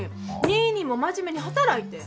ニーニーも真面目に働いて。